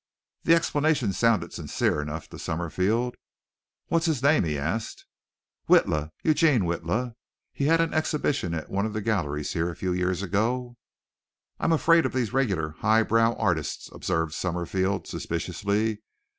The explanation sounded sincere enough to Summerfield. "What's his name?" he asked. "Witla, Eugene Witla. He had an exhibition at one of the galleries here a few years ago." "I'm afraid of these regular high brow artists," observed Summerfield suspiciously.